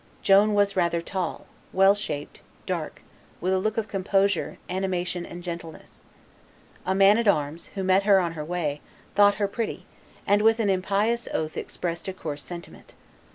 Joan was rather tall, well shaped, dark, with a look of composure, animation, and gentleness. A man at arms, who met her on her way, thought her pretty, and with an impious oath expressed a coarse sentiment.